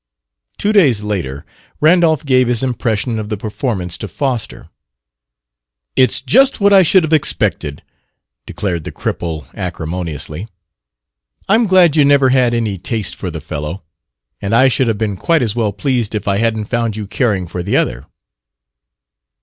Two days later, Randolph gave his impression of the performance to Foster. "It's just what I should have expected," declared the cripple acrimoniously. "I'm glad you never had any taste for the fellow; and I should have been quite as well pleased if I hadn't found you caring for the other."